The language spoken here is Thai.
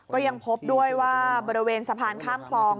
ก็ยังพบด้วยว่าบริเวณสะพานข้ามคลอง